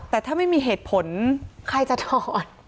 แต่ถ้าไม่มีเหตุผลใครจะถอด